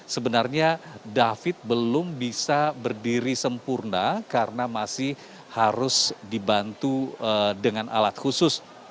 sebenarnya david belum bisa berdiri sempurna karena masih harus dibantu dengan alat khusus